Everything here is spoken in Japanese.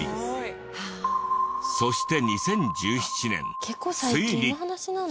そして２０１７年ついに。